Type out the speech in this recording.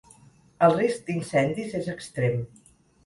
El risc d’incendis és extrem.